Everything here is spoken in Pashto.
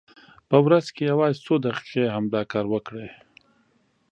په ورځ کې یوازې څو دقیقې همدا کار وکړئ.